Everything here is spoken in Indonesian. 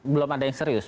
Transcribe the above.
belum ada yang serius